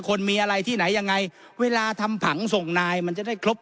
คนมีอะไรที่ไหนยังไงเวลาทำผังส่งนายมันจะได้ครบ